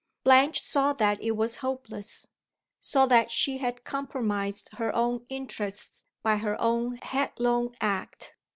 Blanche saw that it was hopeless saw that she had compromised her own interests by her own headlong act.